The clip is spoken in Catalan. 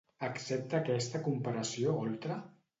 Accepta aquesta comparació Oltra?